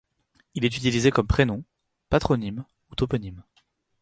Il est utilisé comme prénom, patronyme ou toponyme.